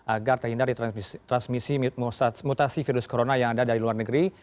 agar terhindar di transmisi mutasi virus corona yang ada dari luar negeri